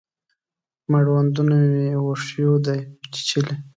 مړوندونه مې وښیو دی چیچلي